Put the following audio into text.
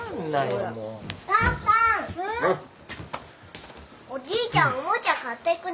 おじいちゃんおもちゃ買ってくれないって。